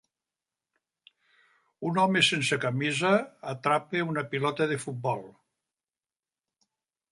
Un home sense camisa atrapa una pilota de futbol.